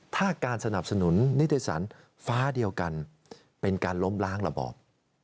ถ้าการสนับสนุนนิติสารฟ้าเดียวกันเป็นการล้มล้างระบอบ